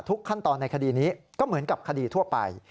ขั้นตอนในคดีนี้ก็เหมือนกับคดีทั่วไป